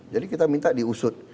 jadi kita minta diusut